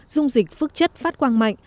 dung dịch phước chất phát quang mạnh